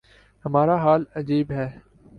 ہمارا حال عجیب ہے۔